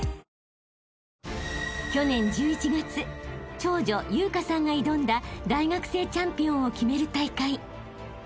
［去年１１月長女由夏さんが挑んだ大学生チャンピオンを決める大会］